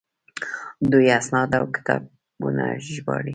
دوی اسناد او کتابونه ژباړي.